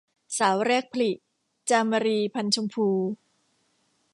สาวแรกผลิ - จามรี พรรณชมพู